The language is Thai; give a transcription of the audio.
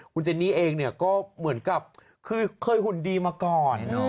คุณเจนนี่เองเนี่ยก็เหมือนกับคือเคยหุ่นดีมาก่อน